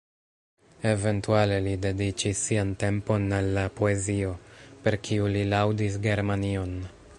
Eventuale li dediĉis sian tempon al la poezio, per kiu li laŭdis Germanion.